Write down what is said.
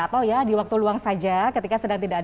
atau ya di waktu luang saja ketika sedang tidak ada